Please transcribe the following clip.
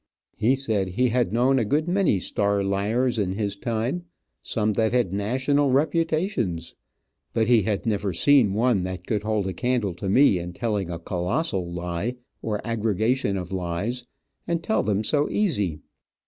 He said he had known a good many star liars in his time, some that had national reputations, but he had never seen one that could hold a candle to me in telling a colossal lie, or aggregation of lies, and tell them so easy.